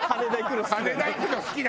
羽田行くの好きなの。